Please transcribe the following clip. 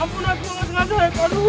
ampun nat gua gak sengaja ya paduh